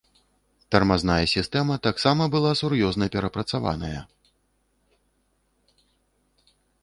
Тармазная сістэма таксама была сур'ёзна перапрацаваная.